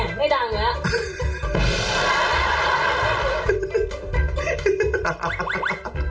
นี่ไม่ดังแล้ว